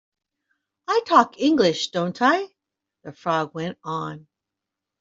‘I talk English, don’t I?’ the Frog went on.